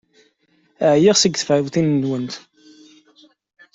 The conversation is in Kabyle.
Ɛyiɣ seg tfawtin-nwent!